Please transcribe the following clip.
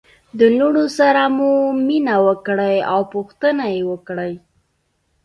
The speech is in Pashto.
د لوڼو سره مو مینه وکړئ او پوښتنه يې وکړئ